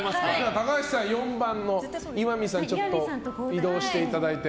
高橋さん、４番の石見さんと移動していただいて。